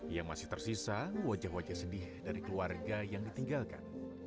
ia masih tersisa wajah wajah sedih dari keluarga yang ditinggalkan